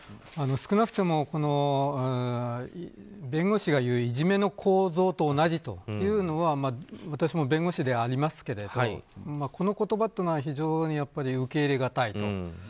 少なくとも弁護士が言ういじめの構造と同じというのは私も弁護士ではありますけれどこの言葉というのは非常に受け入れがたいと。